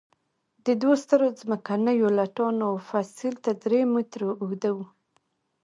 د دوو سترو ځمکنیو لټانو فسیل تر درې مترو اوږده وو.